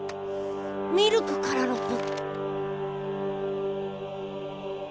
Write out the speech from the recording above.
ミルクからロプ。